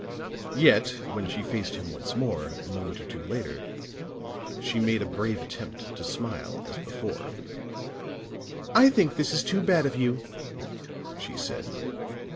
Yet, when she faced him once more, a moment or two later, she made a brave attempt to smile as before. "I think this is too bad of you," she said.